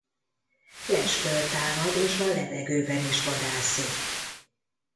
Lesből támad és a levegőben is vadászik.